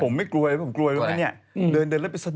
ผมไม่กลัวเลยผมกลัวเลยว่าเนี่ย